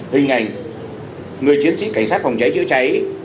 hình ảnh người chiến sĩ cảnh sát phòng cháy chữa cháy